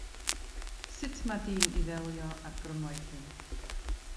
Sut mae dyn i ddelio â'r grymoedd hyn?